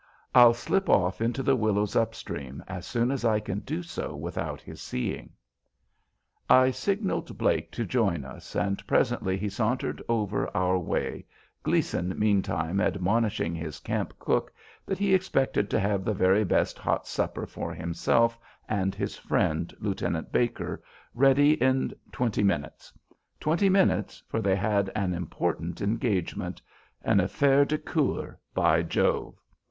I'll slip off into the willows up stream as soon as I can do so without his seeing." I signalled Blake to join us, and presently he sauntered over our way, Gleason meantime admonishing his camp cook that he expected to have the very best hot supper for himself and his friend, Lieutenant Baker, ready in twenty minutes, twenty minutes, for they had an important engagement, an affaire de coor, by Jove!